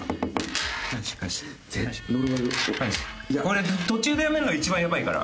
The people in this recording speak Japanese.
これ途中でやめるのが一番やばいから。